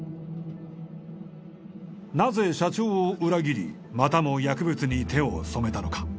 なぜ社長を裏切りまたも薬物に手を染めたのか？